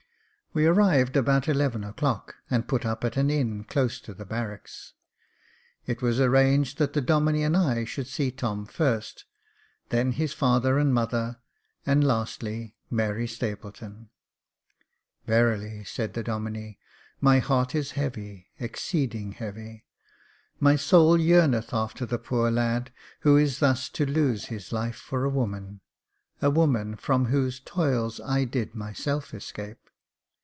We arrived about eleven o'clock, and put up at an inn close to the barracks. It was arranged that the Domine and I should see Tom first, then his father and mother, and, lastly, Mary Stapleton. " Verily," said the Domine, " my heart is heavy, ex ceeding heavy ; my soul yearneth after the poor lad, who is thus to lose his life for a woman — a woman from whose toils I did myself escape.